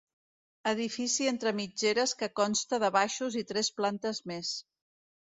Edifici entre mitgeres que consta de baixos i tres plantes més.